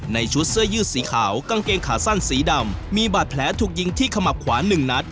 ชุดเสื้อยืดสีขาวกางเกงขาสั้นสีดำมีบาดแผลถูกยิงที่ขมับขวาหนึ่งนัด